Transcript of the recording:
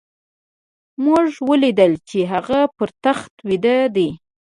موږ وليدل چې هغه پر تخت ويده دی.